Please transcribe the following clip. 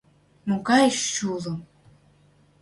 Могай чулым!..